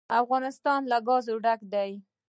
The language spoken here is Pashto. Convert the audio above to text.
افغانستان له ګاز ډک دی.